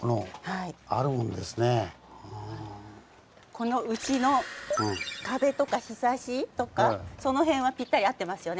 このうちの壁とかひさしとかその辺はぴったり合ってますよね。